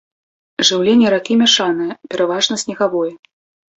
Жыўленне ракі мяшанае, пераважна снегавое.